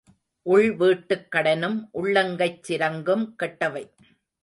உள் வீட்டுக் கடனும் உள்ளங்கைச் சிரங்கும் கெட்டவை.